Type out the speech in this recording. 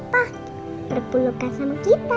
pak berpuluhkan sama kita